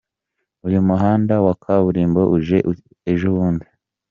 Uyu muhanda wa kaburimbo uje ejo bundi.